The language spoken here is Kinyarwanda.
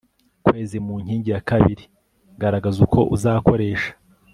kwezi Mu nkingi ya kabiri garagaza uko uzakoresha